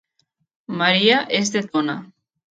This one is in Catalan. Maria és de Tona